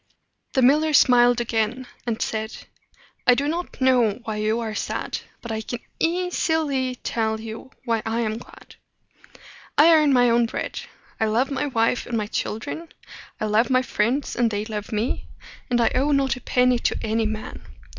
The miller smiled again, and said, "I do not know why you are sad, but I can eas i ly tell why I am glad. I earn my own bread; I love my wife and my children; I love my friends, and they love me; and I owe not a penny to any man.